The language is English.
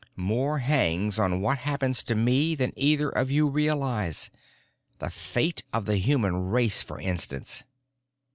More hangs on what happens to me than either of you realize. The fate of the human race, for instance."